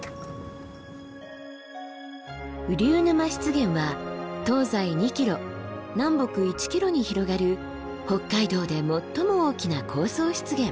雨竜沼湿原は東西２ｋｍ南北１ｋｍに広がる北海道で最も大きな高層湿原。